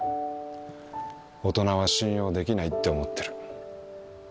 大人は信用できないって思ってる。